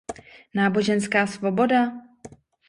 Náboženská svoboda?